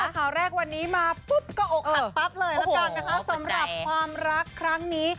ข่าวแรกวันนี้มาปุ๊บก็อกหักปั๊บเลยละกันนะคะสำหรับความรักครั้งนี้